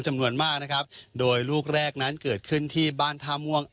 จำนวนมากนะครับโดยลูกแรกนั้นเกิดขึ้นที่บ้านท่าม่วง